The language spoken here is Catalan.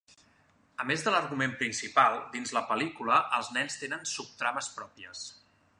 A més de l'argument principal, dins la pel·lícula, els nens tenen subtrames pròpies.